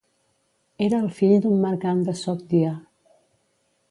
Era el fill d'un mercant de Sogdia.